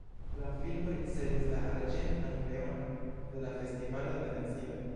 La filmo ricevis la arĝentan leonon de la festivalo de Venecio.